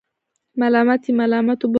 ملامت یې ملامت وبللو.